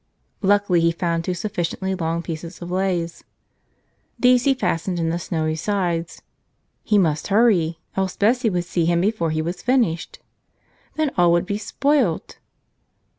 Luckily he found two sufficiently long pieces of laths. These he fastened in the snowy sides. He must hurry, else Bessie would see him before he was finished. Then all would be spoilt.